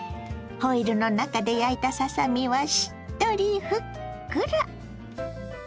ホイルの中で焼いたささ身はしっとりふっくら。